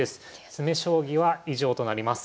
詰将棋は以上となります。